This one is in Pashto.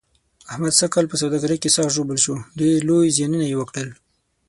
احمد سږ کال په سوداګرۍ کې سخت ژوبل شو، ډېر لوی زیانونه یې وکړل.